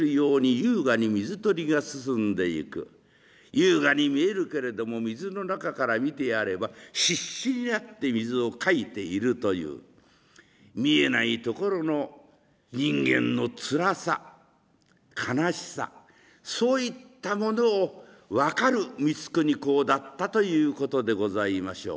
優雅に見えるけれども水の中から見てやれば必死になって水をかいているという見えないところの人間のつらさ悲しさそういったものを分かる光圀公だったということでございましょう。